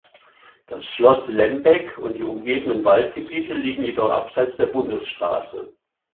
Das Schloss Lembeck und die umgebenden Waldgebiete liegen jedoch abseits der Bundesstraße.